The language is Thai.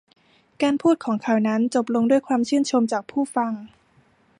การพูดของเขานั้นจบลงด้วยความชื่นชมจากผู้ฟัง